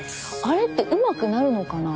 あれってうまくなるのかな？